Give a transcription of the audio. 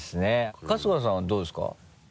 春日さんはどうですか？